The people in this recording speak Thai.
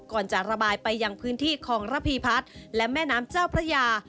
ก่อนจะระบายไปยังพื้นที่ของระพีพัฒน์และแม่น้ำเจ้าพระยา